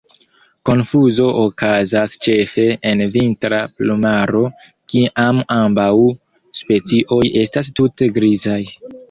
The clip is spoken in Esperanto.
Konfuzo okazas ĉefe en vintra plumaro, kiam ambaŭ specioj estas tute grizaj.